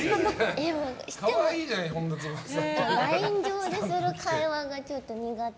ＬＩＮＥ上でする会話がちょっと苦手。